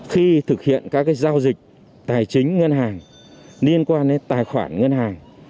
khi thực hiện các giao dịch tài chính ngân hàng liên quan đến tài khoản ngân hàng